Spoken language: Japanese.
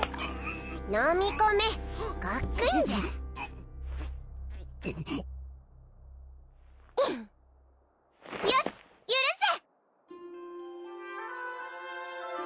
飲みこめごっくんじゃよし許す！